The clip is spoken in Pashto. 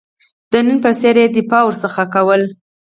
د نن په څېر دفاع ورڅخه کوله.